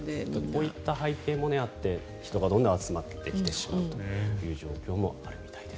こういった背景もあって人がどんどん集まってきてしまうという状況もあるみたいです。